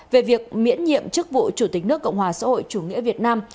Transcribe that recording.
về việc miễn nhiệm chức vụ chủ tịch nước cộng hòa xã hội chủ nghĩa việt nam